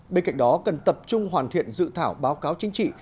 bên cạnh đó cần tập trung hoàn thiện dự thảo báo cáo chính trị